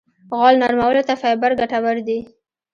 غول نرمولو ته فایبر ګټور دی.